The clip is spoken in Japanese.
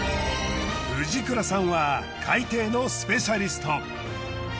藤倉さんは海底のスペシャリスト。